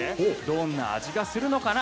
どんな味がするのかな。